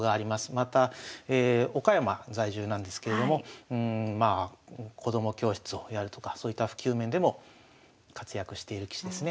また岡山在住なんですけれどもまあ子ども教室をやるとかそういった普及面でも活躍している棋士ですね。